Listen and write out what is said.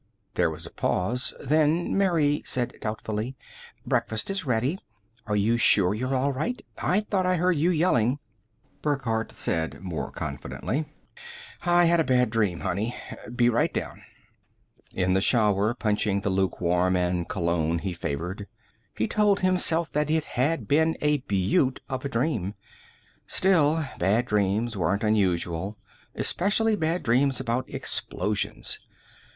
There was a pause. Then Mary said doubtfully, "Breakfast is ready. Are you sure you're all right? I thought I heard you yelling " Burckhardt said more confidently, "I had a bad dream, honey. Be right down." In the shower, punching the lukewarm and cologne he favored, he told himself that it had been a beaut of a dream. Still, bad dreams weren't unusual, especially bad dreams about explosions.